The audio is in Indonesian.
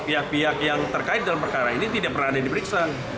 pihak pihak yang terkait dalam perkara ini tidak pernah ada diperiksa